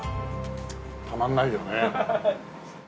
たまんないよね。